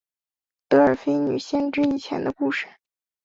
德尔斐女先知以前的故事。